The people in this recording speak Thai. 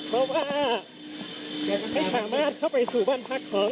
เพราะว่าอยากให้สามารถเข้าไปสู่บ้านพักของ